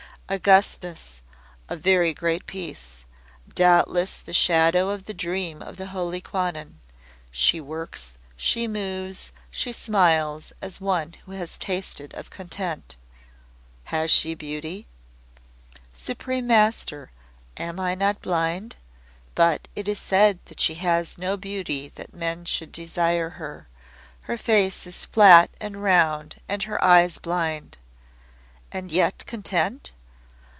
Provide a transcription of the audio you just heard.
"Augustness, a very great peace. Doubtless the shadow of the dream of the Holy Kwannon. She works, she moves, she smiles as one who has tasted of content." "Has she beauty?" "Supreme Master, am I not blind? But it is said that she has no beauty that men should desire her. Her face is flat and round, and her eyes blind." "And yet content?"